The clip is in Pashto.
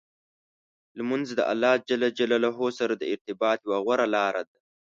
لمونځ د الله جل جلاله سره د ارتباط یوه غوره لار ده.